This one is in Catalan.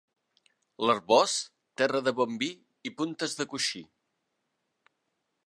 L'Arboç, terra de bon vi i puntes de coixí.